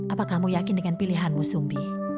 apa kamu yakin dengan pilihanmu sumbi